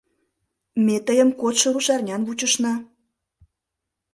— Ме тыйым кодшо рушарнян вучышна.